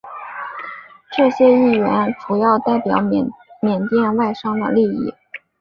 这些议员主要代表缅甸外商的利益。